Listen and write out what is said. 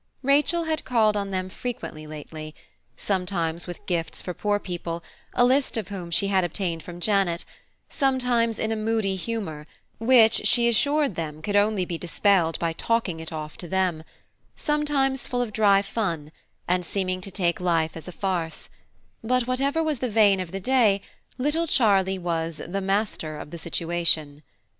Rachel had called on them frequently lately; sometimes with gifts for poor people, a list of whom she had obtained from Janet–sometimes in a moody humour, which she assured them could only be dispelled by talking it off to them–sometimes full of dry fun, and seeming to take life as a farce; but whatever was the vein of the day, little Charlie was the "master of the situation."